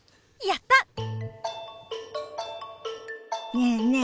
ねえねえ